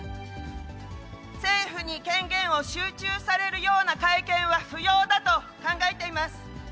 政府に権限を集中されるような改憲は不要だと考えています。